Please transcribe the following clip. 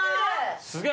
すげえ！